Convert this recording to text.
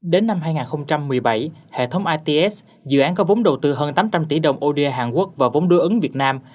đến năm hai nghìn một mươi bảy hệ thống its dự án có vốn đầu tư hơn tám trăm linh tỷ đồng od hàn quốc và vốn đối ứng việt nam